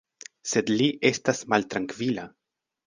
Sed li estas maltrankvila.